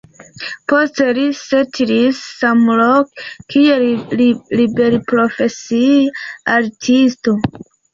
Poste li setlis samloke kiel liberprofesia artisto.